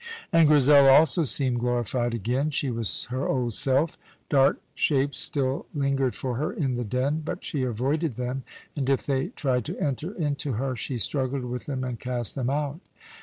And Grizel also seemed glorified again. She was her old self. Dark shapes still lingered for her in the Den, but she avoided them, and if they tried to enter into her, she struggled with them and cast them out.